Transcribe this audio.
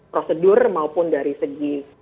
prosedur maupun dari segi